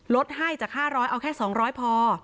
ลดให้จาก๕๐๐เอาแค่๒๐๐พอ